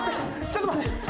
ちょっと待って。